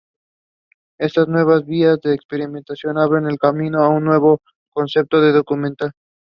Estas nuevas vías de experimentación abren el camino a este nuevo concepto de documental.